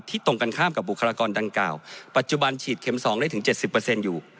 ที่ตรงกันข้ามกับบุคลากรดังกล่าวปัจจุบันฉีดเข็มสองได้ถึงเจ็ดสิบเปอร์เซ็นต์อยู่